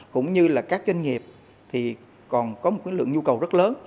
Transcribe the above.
cũng như các doanh nghiệp còn có một lượng nhu cầu rất lớn